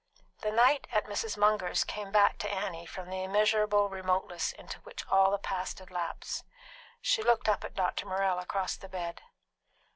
The night at Mrs. Munger's came back to Annie from the immeasurable remoteness into which all the past had lapsed. She looked up at Dr. Morrell across the bed.